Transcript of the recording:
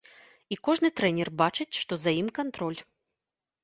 І кожны трэнер бачыць, што за ім кантроль.